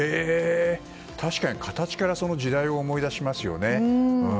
確かに、形から時代を思い出しますよね。